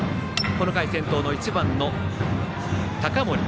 この回、先頭の１番の高森。